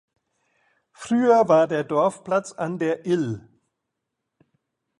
Früher war der Dorfplatz an der Ill.